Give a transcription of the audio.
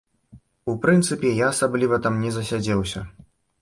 У прынцыпе, я асабліва там не засядзеўся.